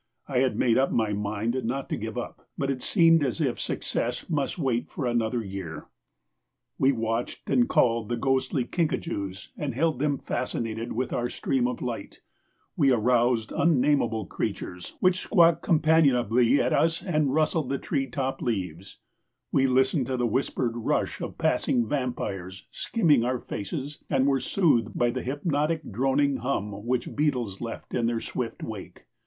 I had made up my mind not to give up, but it seemed as if success must wait for another year. We watched and called the ghostly kinkajous and held them fascinated with our stream of light; we aroused unnamable creatures which squawked companionably at us and rustled the tree top leaves; we listened to the whispered rush of passing vampires skimming our faces and were soothed by the hypnotic droning hum which beetles left in their swift wake.